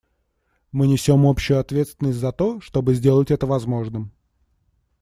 Мы несем общую ответственность за то, чтобы сделать это возможным.